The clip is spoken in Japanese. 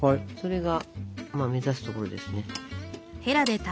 それが目指すところですね。